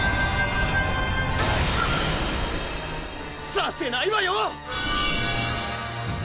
させないわよ！